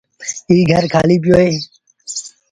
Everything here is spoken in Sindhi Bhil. ايٚ گھر کآليٚ پيو اهي۔